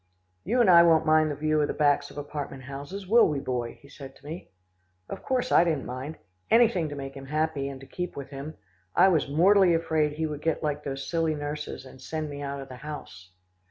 "You and I won't mind the view of the backs of apartment houses, will we, Boy?" he said to me. Of course I didn't mind. Anything to make him happy, and to keep with him. I was mortally afraid he would get like those silly nurses, and send me out of the house.